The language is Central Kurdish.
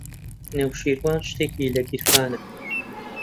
نەوشیروان شتێکی لە گیرفانە.